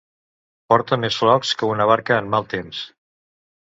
Porta més flocs que una barca en mal temps.